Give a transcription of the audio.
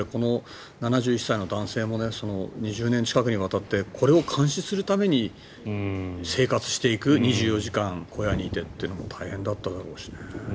７１歳の男性も２０年近くにわたってこれを監視するために生活していく２４時間小屋にいてというのも大変だったろうしね。